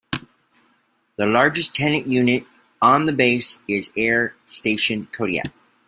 The largest tenant unit on the base is Air Station Kodiak.